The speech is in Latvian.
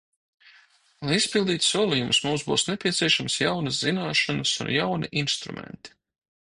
Lai izpildītu solījumus, mums būs nepieciešamas jaunas zināšanas un jauni instrumenti.